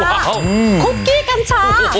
คุกกี้กัญชา